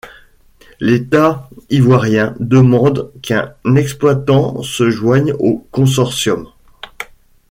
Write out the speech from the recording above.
L’Etat ivoirien demande qu’un exploitant se joigne au consortium.